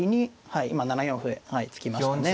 はい今７四歩で突きましたね。